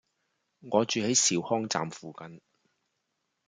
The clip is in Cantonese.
我住喺兆康站附近